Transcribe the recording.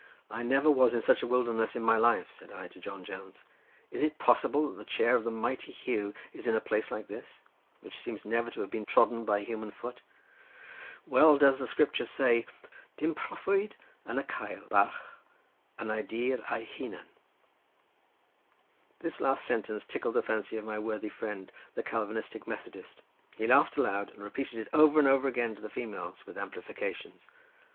"I never was in such a wilderness in my life," said I to John Jones, "is it possible that the chair of the mighty Huw is in a place like this; which seems never to have been trodden by human foot. Well does the Scripture say 'Dim prophwyd yw yn cael barch yn ei dir ei hunan.'" This last sentence tickled the fancy of my worthy friend, the Calvinistic Methodist; he laughed aloud and repeated it over and over again to the females with amplifications.